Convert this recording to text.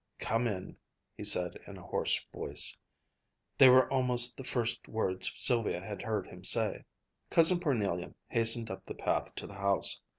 "Come in," he said in a hoarse voice. They were almost the first words Sylvia had heard him say. Cousin Parnelia hastened up the path to the house.